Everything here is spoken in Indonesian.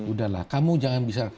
udahlah kamu jangan bisa